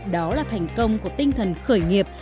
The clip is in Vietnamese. đó là thành công của tinh thần khởi nghiệp